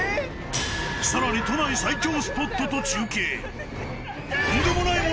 さらに都内最恐スポットと中継出た！